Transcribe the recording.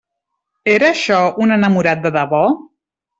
Era això un enamorat de debò?